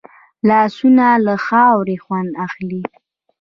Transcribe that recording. لاسونه له خاورې خوند اخلي